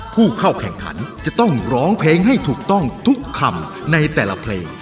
ผู้เข้าแข่งขันจะต้องร้องเพลงให้ถูกต้องทุกคำในแต่ละเพลง